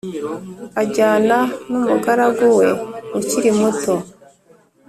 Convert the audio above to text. ajyana n umugaragu we ukiri muto